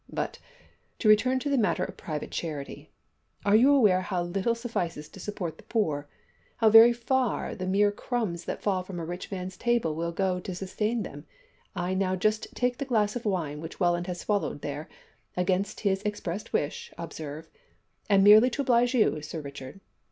But, to return to the matter of private charity, are you aware how little suffices to support the poor how very far the mere crumbs that fall from a rich man's table will go to sustain them I Now, just take the glass of wine which Welland has swallowed against his expressed wish, observe, and merely to oblige you, Sir Richard.